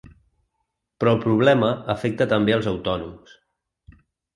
Però el problema afecta també els autònoms.